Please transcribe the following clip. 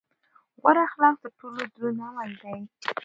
غوره اخلاق تر ټولو دروند عمل دی.